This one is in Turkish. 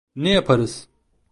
Ne yaparız?